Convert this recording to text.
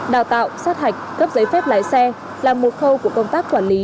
đào tạo sát hạch cấp giấy phép lái xe là một khâu của công tác quản lý